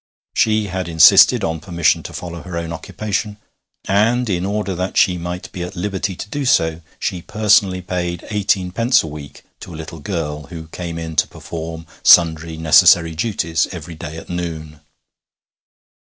She had insisted on permission to follow her own occupation, and in order that she might be at liberty to do so she personally paid eighteenpence a week to a little girl who came in to perform sundry necessary duties every day at noon.